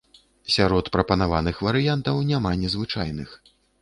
Сярод прапанаваных варыянтаў нямала незвычайных.